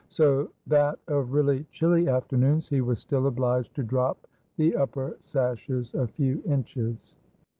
So that of really chilly afternoons, he was still obliged to drop the upper sashes a few inches.